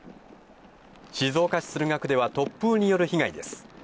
静岡市駿河区では突風による被害です。